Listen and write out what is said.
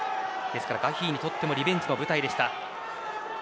ですからガヒーにとってもリベンジの舞台でした。